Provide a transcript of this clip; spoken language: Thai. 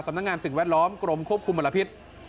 นักงานสิ่งแวดล้อมกรมควบคุมมลพิษ